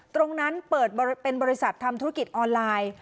ตรงนั้นเปิดเป็นบริษัททำธุรกิจออนไลน์